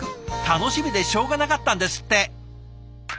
楽しみでしょうがなかったんですって。